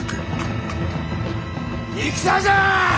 戦じゃ！